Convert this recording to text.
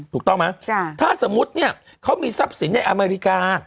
ถูกต้องไหมถ้าสมมุติเนี่ยเขามีทรัพย์สินในอเมริกา